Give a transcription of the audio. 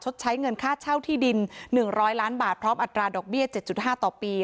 ใช้เงินค่าเช่าที่ดิน๑๐๐ล้านบาทพร้อมอัตราดอกเบี้ย๗๕ต่อปี